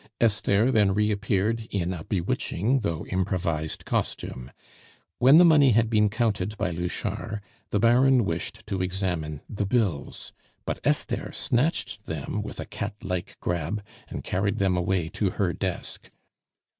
Esther then reappeared in a bewitching, though improvised, costume. When the money had been counted by Louchard, the Baron wished to examine the bills; but Esther snatched them with a cat like grab, and carried them away to her desk.